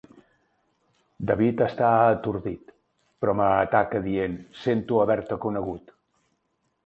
David està atordit, però m'ataca dient: sento haver-te conegut.